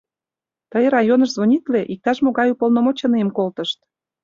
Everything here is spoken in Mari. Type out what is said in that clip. — Тый районыш звонитле, иктаж-могай уполномоченныйым колтышт.